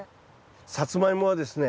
サツマイモはですね